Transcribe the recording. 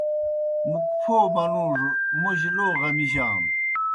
مُک پھو منُوڙوْ موْجیْ لو غمِجانوْ۔